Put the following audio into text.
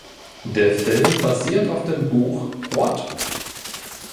Der Film basiert auf dem Buch "What?